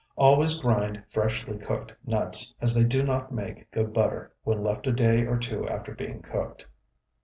Always grind freshly cooked nuts, as they do not make good butter when left a day or two after being cooked.